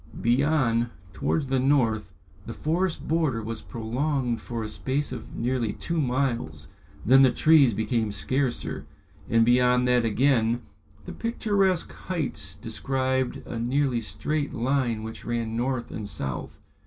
Beyond, towards the north, the forest border was prolonged for a space of nearly two miles, then the trees became scarcer, and beyond that again the picturesque heights described a nearly straight line which ran north and south.